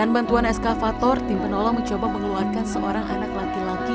bantuan eskavator tim penolong mencoba mengeluarkan seorang anak laki laki